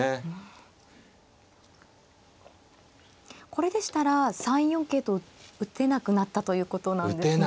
これでしたら３四桂と打てなくなったということなんですね。